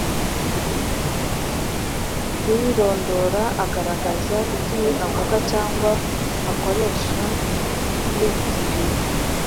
Uwirondora agaragaza indimi avuga cyangwa akoresha n’igipimo